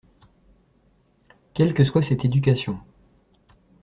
Quelle que soit cette éducation.